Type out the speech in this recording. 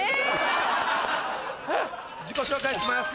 自己紹介します。